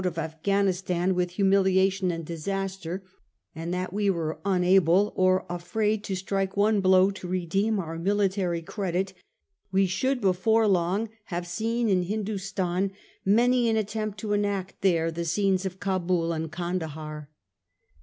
of Afghanistan with, humiliation and disaster, and that we were unable or afraid to strike one blow to redeem our military credit, we should before long have seen in Hindostan many an attempt to enact there the scenes of Cabul and Candahar.